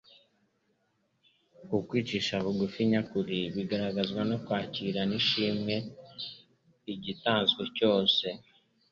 Ukwicisha bugufi nyakuri bigara gazwa no kwakirana ishimwe igitanzwe cyose